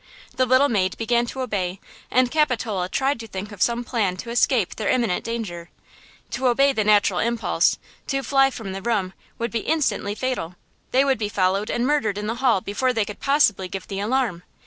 The little maid began to obey and Capitola tried to think of some plan to escape their imminent danger. To obey the natural impulse–to fly from the room would be instantly fatal–they would be followed and murdered in the hall before they could possibly give the alarm!